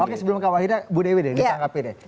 oke sebelum kawahinnya bu dewi deh kita anggapin deh